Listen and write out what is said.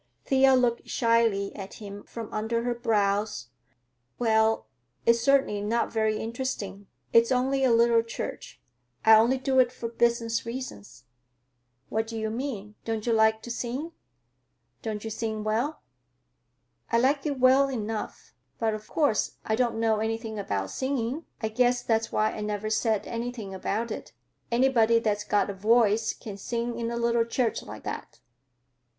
Thea looked shyly at him from under her brows. "Well, it's certainly not very interesting. It's only a little church. I only do it for business reasons." "What do you mean? Don't you like to sing? Don't you sing well?" "I like it well enough, but, of course, I don't know anything about singing. I guess that's why I never said anything about it. Anybody that's got a voice can sing in a little church like that."